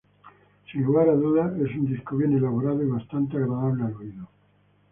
Sin lugar a dudas, es un disco bien elaborado y bastante agradable al oído.